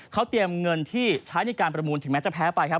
เขาเตรียมเงินที่ใช้ในการประมูลถึงแม้จะแพ้ไปครับ